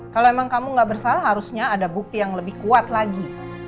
kalau emang kamu gak bersalah harusnya ada bukti yang lebih kuat lagi